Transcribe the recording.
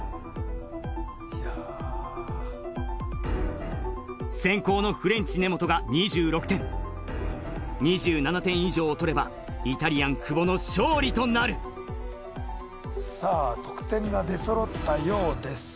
いやー先攻のフレンチ根本が２６点２７点以上を取ればイタリアン久保の勝利となるさあ得点が出そろったようです